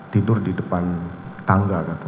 tidur di depan tangga